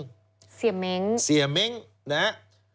เสียเม้งเสียเม้งนะฮะ